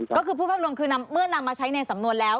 ก็คือพูดภาพรวมคือเมื่อนำมาใช้ในสำนวนแล้ว